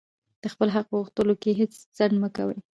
د خپل حق په غوښتلو کښي هېڅ ځنډ مه کوئ!